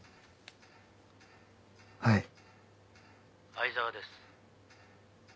相沢です。